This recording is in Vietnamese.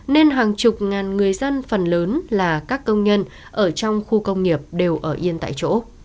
nên hàng chục ngàn người dân phần lớn là các công nhân ở trong khu công nghiệp đều ở yên tại chỗ